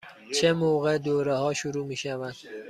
چه موقع دوره ها شروع می شود؟